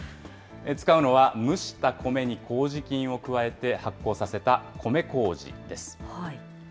使うのは蒸したコメにこうじ菌を加えて発酵させた米こうじです。